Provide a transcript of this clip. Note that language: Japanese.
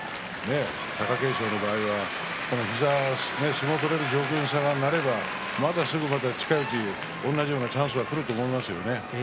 貴景勝の場合は膝が相撲を取れる状況にさえなれば、また近いうちに同じようなチャンスがくると思いますよね。